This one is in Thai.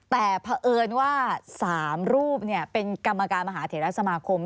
แต่เผอิญว่า๓รูปเป็นกรรมการมหาเถระสมาคม